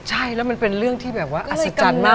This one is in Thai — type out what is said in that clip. ใช่แล้วมันเป็นเรื่องที่แบบว่าอัศจรรย์มาก